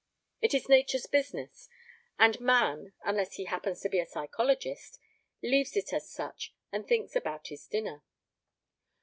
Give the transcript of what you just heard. It is nature's business, and man, unless he happens to be a psychologist, leaves it as such and thinks about his dinner.